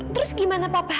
terus gimana papa